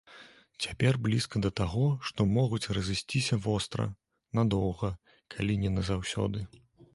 Цяпер блізка да таго, што могуць разысціся востра, надоўга, калі не назаўсёды.